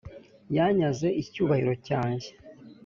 yanyaze icyubahiro cyanjye,